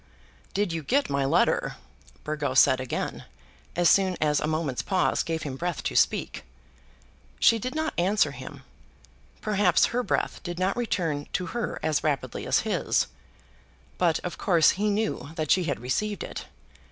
"Did you get my letter?" Burgo said again, as soon as a moment's pause gave him breath to speak. She did not answer him. Perhaps her breath did not return to her as rapidly as his. But, of course, he knew that she had received it.